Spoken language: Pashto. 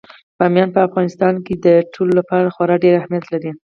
بامیان په افغانستان کې د ټولو لپاره خورا ډېر اهمیت لري.